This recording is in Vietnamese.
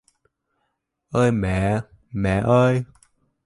Ơi mẹ... Mẹ ơi!